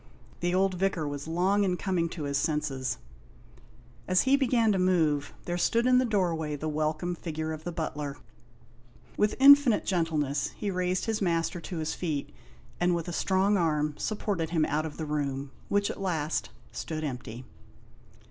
The old Vicar was long in coming to his senses ; as he began to move, there stood in the doorway the welcome figure of the butler. With infinite gentleness he raised his master to his feet, and with a strong arm supported him out of the room, which at last, stood empty.